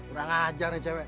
kurang ajar ya cewek